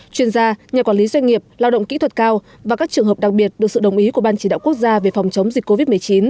chuyên gia nhà quản lý doanh nghiệp lao động kỹ thuật cao và các trường hợp đặc biệt được sự đồng ý của ban chỉ đạo quốc gia về phòng chống dịch covid một mươi chín